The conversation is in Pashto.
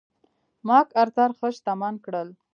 مک ارتر ښه شتمن کړل.